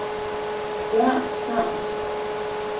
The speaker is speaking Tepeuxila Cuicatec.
Juó soʼös.